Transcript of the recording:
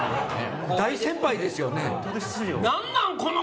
大先輩ですよね？